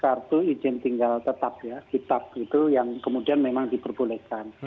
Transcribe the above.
kartu izin tinggal tetap ya kitab itu yang kemudian memang diperbolehkan